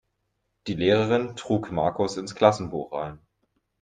Die Lehrerin trug Markus ins Klassenbuch ein.